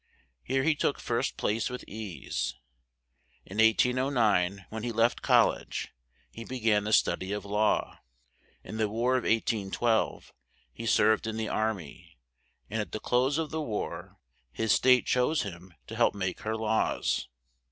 Here he took first place with ease. In 1809, when he left col lege, he be gan the stud y of law. In the War of 1812 he served in the ar my; and at the close of the war his state chose him to help make her laws.